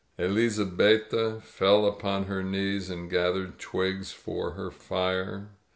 Elizabetta fell upon her knees and gathered twigs for her fire.